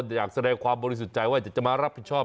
อยากแสดงความบริสุทธิ์ใจว่าอยากจะมารับผิดชอบ